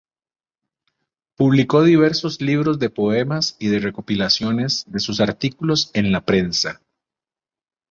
Publicó diversos libros de poemas y de recopilaciones de sus artículos en la prensa.